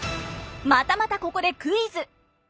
またまたここでクイズ！